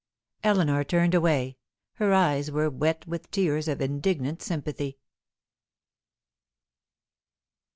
Eleanor turned away. Her eyes were wet with tears of indignant sympathy.